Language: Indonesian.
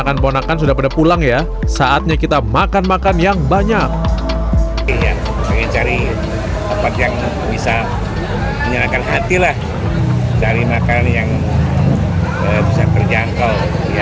menyenangkan hati lah cari makan yang bisa berjangkau